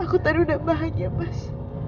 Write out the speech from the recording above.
aku tari udah bahagia mas